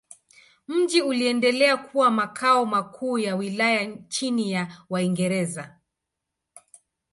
Mji uliendelea kuwa makao makuu ya wilaya chini ya Waingereza.